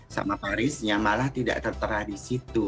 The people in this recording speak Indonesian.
sama parisnya malah tidak tertera di situ